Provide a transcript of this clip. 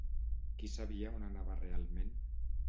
Qui sabia on anava realment?